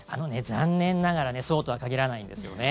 残念ながらねそうとは限らないんですよね。